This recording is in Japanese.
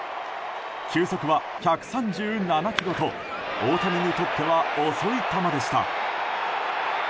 球速は１３７キロと大谷にとっては遅い球でした。